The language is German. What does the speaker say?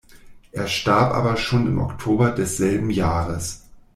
Er starb aber schon im Oktober desselben Jahres.